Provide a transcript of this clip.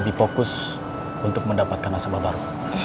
dipokus untuk mendapatkan nasabah baru